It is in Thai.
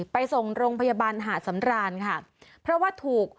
ไปส่งโรงพยาบาลหาดสำรานค่ะเพราะว่าถูก